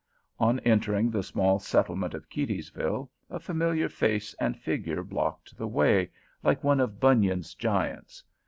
On entering the small settlement of Keedysville, a familiar face and figure blocked the way, like one of Bunyan's giants.